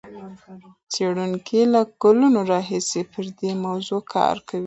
څېړونکي له کلونو راهیسې پر دې موضوع کار کوي.